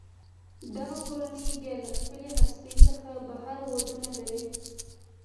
دغه کورنۍ بیا له خپلې هستې څخه بهر ودونه لري.